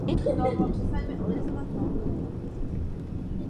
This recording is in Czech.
Rostlina se rozmnožuje rozrůstáním oddenků nebo semeny.